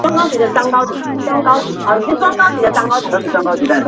所有的相机和手机必须留在免费的储物柜中。